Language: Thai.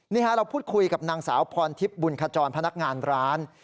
เราพูดคุยกับนางสาวพรทิพย์บุญขจรพนักงานร้าน